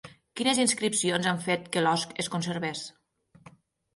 Quines inscripcions han fet que l'osc es conservés?